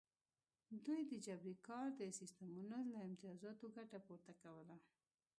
دوی د جبري کار د سیستمونو له امتیازاتو ګټه پورته کوله.